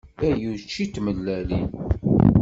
Ay učči n tmellalin.